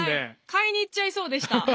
買いに行っちゃいそうでした。